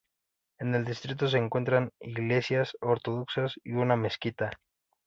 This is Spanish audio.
En el distrito se encuentran iglesias ortodoxas y una mezquita.